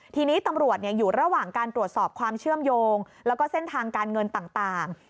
ทีนี้ตำรวจอยู่ระหว่างการตรวจสอบความเชื่อมโยงแล้วก็เส้นทางการเงินต่าง